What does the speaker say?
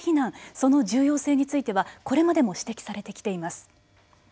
その重要性についてはこれまでも指摘されてきています。